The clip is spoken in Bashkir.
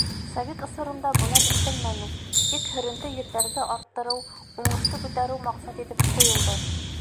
Совет осоронда былар эшләнмәне, тик һөрөнтө ерҙәрҙе арттырыу, уңышты күтәреү маҡсат итеп ҡуйылды.